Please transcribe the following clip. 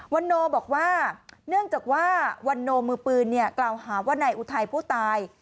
วันโนบอกว่าเนื่องจากว่าวันโนมือปืนกล่าวหาว่านายอุทัยผู้ตาย